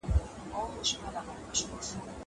زه مخکي پوښتنه کړې وه.